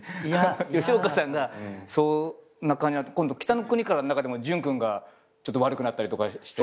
吉岡さんがそんな感じになると今度『北の国から』の中でも純君がちょっと悪くなったりとかして。